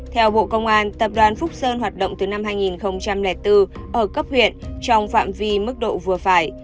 theo bộ công an tập đoàn phúc sơn hoạt động từ năm hai nghìn bốn ở cấp huyện trong phạm vi mức độ vừa phải